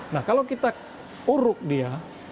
nah kalau kita uruk dia